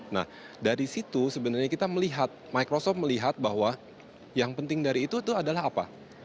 nah dari situ sebenarnya kita melihat microsoft melihat bahwa yang penting dari itu adalah apa